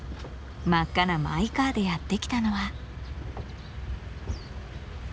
真っ赤なマイカーでやって来たのは。